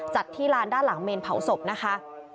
ที่ลานด้านหลังเมนเผาศพนะคะ